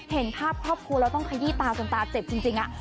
เห็นภาพครอบครัวแล้วต้องขยี้ตาจนตาเจ็บจริง